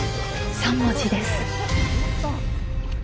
３文字です。